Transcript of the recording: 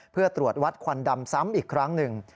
เพื่อตรวจวัดควันดำซ้ำอีกครั้งหนึ่ง